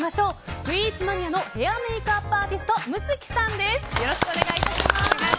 スイーツマニアのヘアメイクアップアーティスト夢月さんです。